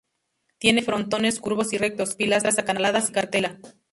Tiene frontones curvos y rectos, pilastras acanaladas y cartela.